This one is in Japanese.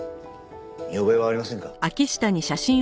見覚えはありませんか？